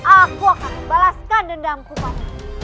aku akan membalaskan dendamku paman